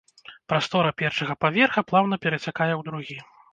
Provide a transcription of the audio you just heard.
Прастора першага паверха плаўна перацякае ў другі.